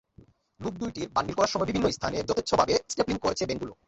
Note দুটির bundle করার সময় বিভিন্ন স্থানে যথেচ্ছভাবে স্ট্যাপলিং করছে ব্যাংকগুলো।